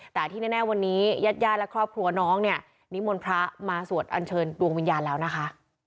แต่ที่แน่วันนี้ญาติญาติและครอบครัวน้องเนี่ยนิมนต์พระมาสวดอัญเชิญดวงวิญญาณแล้วนะคะ